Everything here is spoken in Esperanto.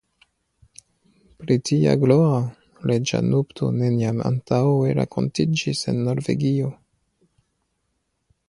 Pri tia glora reĝa nupto neniam antaŭe rakontiĝis en Norvegio.